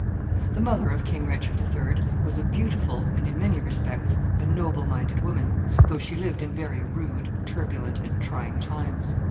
The mother of King Richard the Third was a beautiful, and, in many respects, a noble minded woman, though she lived in very rude, turbulent, and trying times.